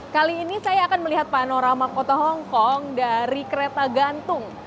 kali ini saya akan melihat panorama kota hongkong dari kereta gantung